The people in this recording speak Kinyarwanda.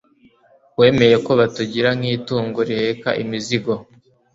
Wemeye ko batugira nk’itungo riheka imizigo